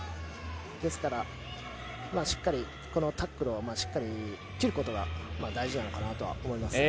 ですから、しっかりこのタックルを切ることが大事なのかなとは思います。